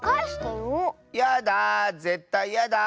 やだぜったいやだ。